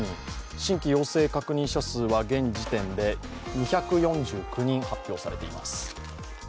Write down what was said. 新規陽性確認者数は現時点で２９４人発表されています。